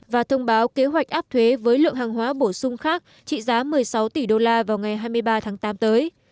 và thông báo kế hoạch áp thuế với lượng hàng hóa bổ sung khác trị giá một mươi sáu tỷ đô la vào ngày hai mươi ba tháng tám tới